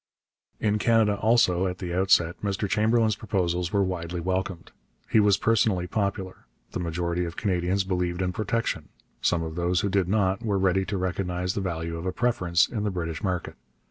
In Canada, also, at the outset, Mr Chamberlain's proposals were widely welcomed. He was personally popular. The majority of Canadians believed in protection. Some of those who did not were ready to recognize the value of a preference in the British market.